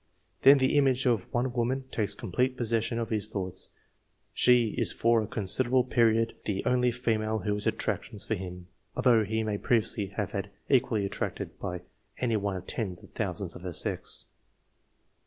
Then the image of one woman takes complete possession of his thoughts ; she is for a considerable period the only female who has attractions for him, although he might previously have been equally attracted by any one of tens of thousands of her sex.